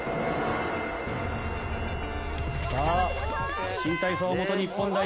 さあ新体操元日本代表。